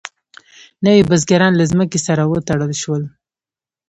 نوي بزګران له ځمکې سره وتړل شول.